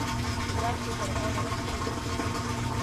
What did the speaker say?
• د دښتې په غاړه کښېنه.